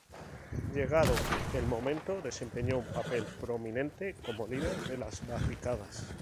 Llegado el momento, desempeñó un papel prominente como líder de las barricadas.